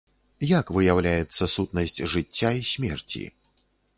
Як выяўляецца сутнасць жыцця і смерці?